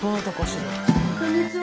こんにちは。